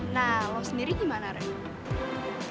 nah lo sendiri gimana rek